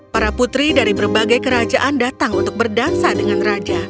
para putri dari berbagai kerajaan datang untuk berdansa dengan raja